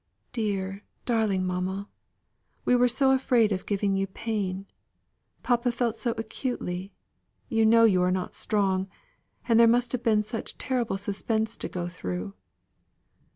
"Dear, darling mamma! we were so afraid of giving you pain. Papa felt so acutely you know you are not strong, and there must have been such terrible suspense to go through."